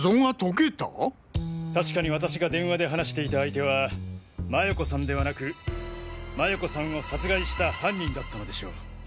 たしかに私が電話で話していた相手は麻也子さんではなく麻也子さんを殺害した犯人だったのでしょう。